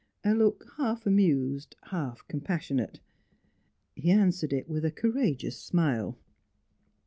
A look half amused, half compassionate; he answered it with a courageous smile.